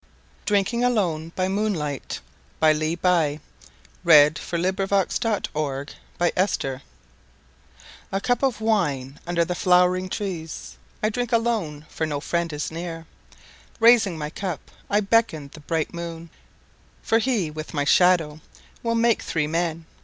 DRINKING ALONE BY MOONLIGHT [Three Poems] I A cup of wine, under the flowering trees; I drink alone, for no friend is near. Raising my cup I beckon the bright moon, For he, with my shadow, will make three men.